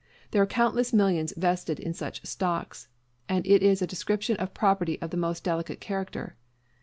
There are countless millions vested in such stocks, and it is a description of property of the most delicate character.